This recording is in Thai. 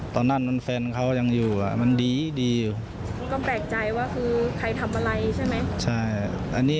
ตอนนั้นแฟนเขายังอยู่อะมันดีอยู่